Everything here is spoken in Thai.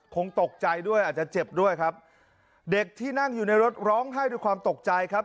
คงตกใจด้วยอาจจะเจ็บด้วยครับเด็กที่นั่งอยู่ในรถร้องไห้ด้วยความตกใจครับ